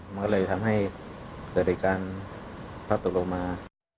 มันก็เลยทำให้เกิดอีกการพักตกลงมา